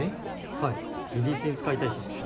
はいリリースに使いたいと。